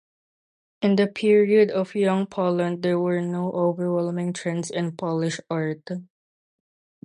In the period of Young Poland there were no overwhelming trends in Polish art.